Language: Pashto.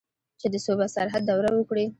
چې د صوبه سرحد دوره وکړي.